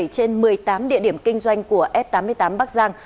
trên một mươi tám địa điểm kinh doanh của f tám mươi tám bắc giang